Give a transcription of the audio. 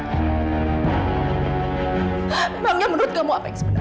ngapain tadi kamu nyuruh ibu biran itu ngomong yang sebenar